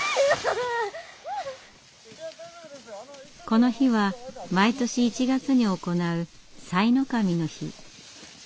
この日は毎年１月に行う賽の神の日。